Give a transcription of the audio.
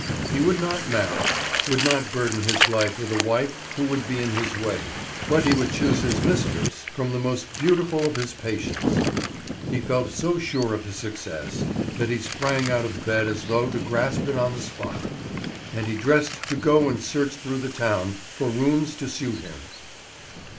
He would not marry, would not burden his life with a wife who would be in his way, but he would choose his mistress from the most beautiful of his patients. He felt so sure of success that he sprang out of bed as though to grasp it on the spot, and he dressed to go and search through the town for rooms to suit him.